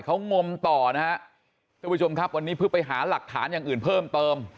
เขางมต่อนะฮะท่านผู้ชมครับวันนี้เพื่อไปหาหลักฐานอย่างอื่นเพิ่มเติม